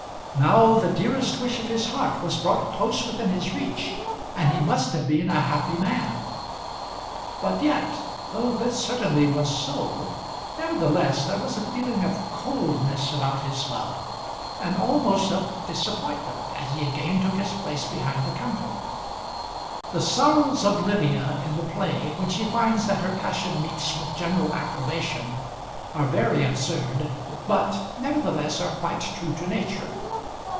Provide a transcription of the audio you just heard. Now the dearest wish of his heart was brought close within his reach, and he must have been a happy man. But yet, though this certainly was so, nevertheless, there was a feeling of coldness about his love, and almost of disappointment as he again took his place behind the counter. The sorrows of Lydia in the play when she finds that her passion meets with general approbation are very absurd but, nevertheless, are quite true to nature.